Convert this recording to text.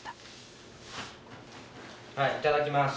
はいいただきます！